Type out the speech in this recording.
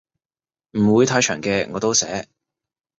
唔會太長嘅我都寫